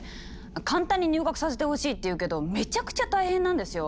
簡単に「入学させてほしい」って言うけどめちゃくちゃ大変なんですよ！